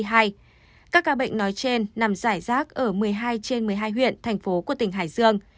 các ca bệnh nói trên nằm giải rác ở một mươi hai trên một mươi hai huyện thành phố của tỉnh hải dương